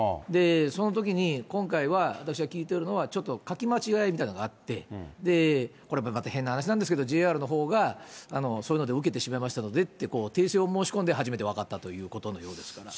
そのときに今回は私が聞いておるのは、ちょっと書き間違えみたいのがあって、これもまた変な話なんですけれども、ＪＲのほうがそういうので受けてしまいましたのでって言って、訂正を申し込んで初めて分かったというようなことですから。